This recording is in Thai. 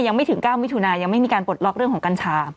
ยังไม่ถึง๙มิถุนายังไม่มีการปลดล็อกเรื่องของกัญชา